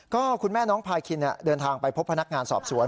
ก็คุณแม่น้องพาคินเดินทางไปพบพนักงานสอบสวน